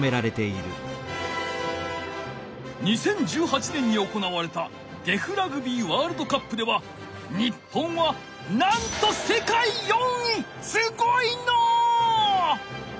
２０１８年に行われたデフラグビーワールドカップでは日本はなんとすごいのう！